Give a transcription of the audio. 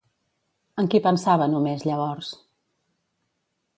En qui pensava només llavors?